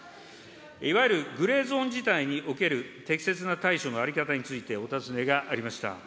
いわゆるグレーゾーン事態における適切な対処の在り方について、お尋ねがありました。